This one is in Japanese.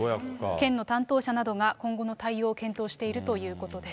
県の担当者などが今後の対応を検討しているということです。